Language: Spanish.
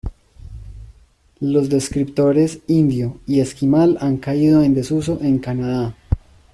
Los descriptores "indio" y "esquimal" han caído en desuso en Canadá.